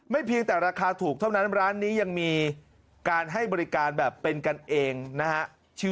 เพียงแต่ราคาถูกเท่านั้นร้านนี้ยังมีการให้บริการแบบเป็นกันเองนะฮะ